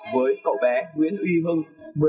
với cậu bé nguyễn uy hưng